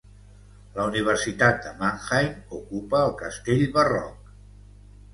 La universitat de Mannheim ocupa el castell barroc.